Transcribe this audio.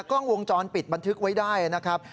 กล้องวงจรปิดบันทึกไว้ได้นะครับ